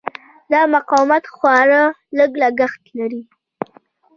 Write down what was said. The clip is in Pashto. دا مقاومت خورا لږ لګښت لري.